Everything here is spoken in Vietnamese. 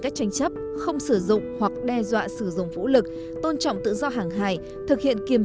các tranh chấp không sử dụng hoặc đe dọa sử dụng vũ lực tôn trọng tự do hàng hải thực hiện kiềm